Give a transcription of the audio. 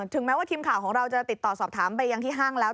แม้ว่าทีมข่าวของเราจะติดต่อสอบถามไปยังที่ห้างแล้ว